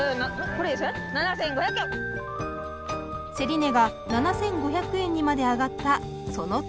競り値が７，５００円にまで上がったその時。